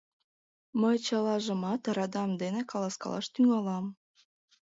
Мый чылажымат радам дене каласкалаш тӱҥалам.